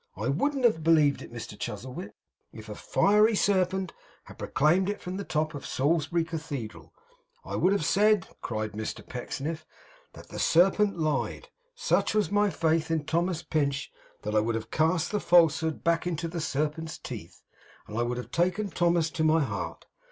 I wouldn't have believed it, Mr Chuzzlewit, if a Fiery Serpent had proclaimed it from the top of Salisbury Cathedral. I would have said,' cried Mr Pecksniff, 'that the Serpent lied. Such was my faith in Thomas Pinch, that I would have cast the falsehood back into the Serpent's teeth, and would have taken Thomas to my heart.